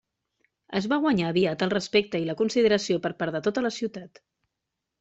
Es va guanyar aviat el respecte i la consideració per part de tota la ciutat.